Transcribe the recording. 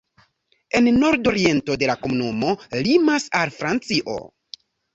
En nordoriento la komunumo limas al Francio.